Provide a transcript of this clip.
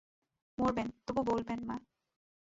মরবেন, তবু বলবেন না।